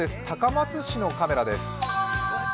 高松市のカメラです。